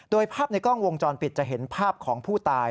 โดยภาพในกล้องวงจรปิดจะเห็นภาพของผู้ตาย